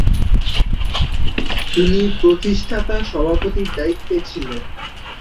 তিনি প্রতিষ্ঠাতা সভাপতির দায়িত্বে ছিলেন।